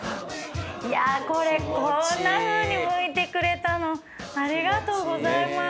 いやこれこんなふうにむいてくれたの⁉ありがとうございます！